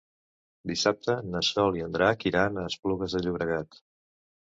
Dissabte na Sol i en Drac iran a Esplugues de Llobregat.